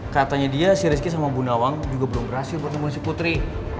katanya dia si rizky sama bu nawang juga belum berhasil bertemu si putri